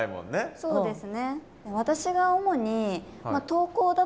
そうですね。